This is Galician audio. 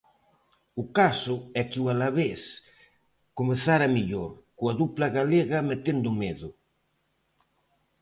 O caso é que o Alavés comezara mellor, coa dupla galega metendo medo.